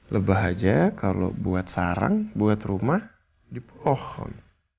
lebah aja kalau buat sarang buat rumah di pohon